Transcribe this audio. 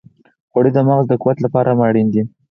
غوړې د مغز د قوت لپاره هم اړینې دي.